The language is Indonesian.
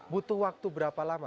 butuh waktu berapa lama